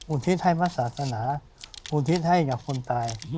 อุทิศให้พระศาสนาอุทิศให้กับคนตาย